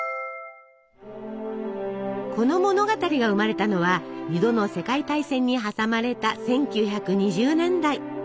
この物語が生まれたのは２度の世界大戦に挟まれた１９２０年代。